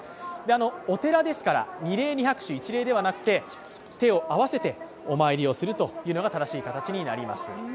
お寺ですから、二礼二拍手一礼ではなくて手を合わせてお参りするのが正しい形になります。